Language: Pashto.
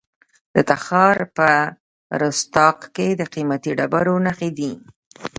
د تخار په رستاق کې د قیمتي ډبرو نښې دي.